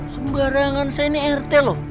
sembarangan saya ini rt loh